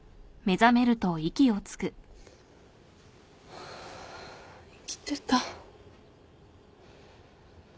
ハァ生きてた。